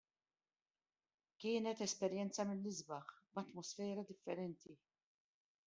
Kienet esperjenza mill-isbaħ, b'atmosfera differenti.